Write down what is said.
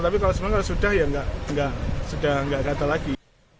tapi kalau semuanya sudah ya sudah nggak tahu lagi